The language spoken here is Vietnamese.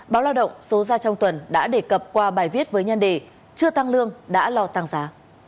báo lao động số ra trong tuần đã đề cập qua bài viết với nhân đề chưa tăng lương đã lo tăng giá